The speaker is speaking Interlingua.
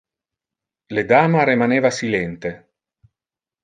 Le dama remaneva silente.